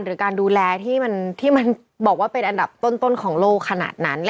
หรือการดูแลที่มันบอกว่าเป็นอันดับต้นของโลกขนาดนั้น